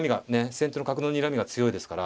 先手の角のにらみが強いですから。